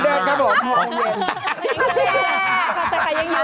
ไม่ได้ครับผมโมงเย็น